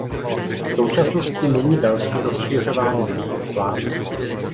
V současnosti není další rozšiřování linky v plánu.